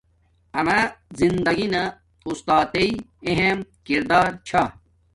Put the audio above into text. آما زندگی نا اُُستاتݵ اہم کردار چھا